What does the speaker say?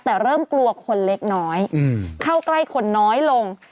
แต่เริ่มกลัวคนเล็กน้อยเข้าใกล้คนน้อยลง